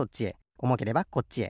おもければこっちへ。